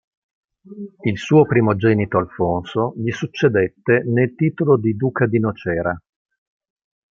Il suo primogenito Alfonso gli succedette nel titolo di duca di Nocera.